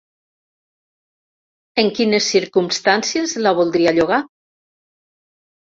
En quines circumstàncies la voldria llogar?